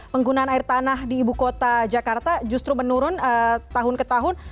penggunaan air tanah di ibu kota jakarta justru menurun tahun ke tahun